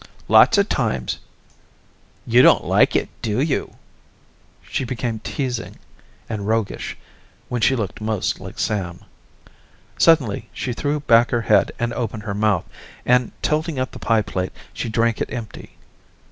"Lots of times. You don't like it, do you?" She became teasing and roguish, when she looked most like Sam. Suddenly she threw back her head and opened her mouth, and tilting up the pie plate she drank it empty.